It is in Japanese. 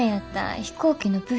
飛行機の部品？